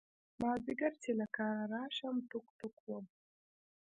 مازدیگر چې له کاره راشم ټوک ټوک وم.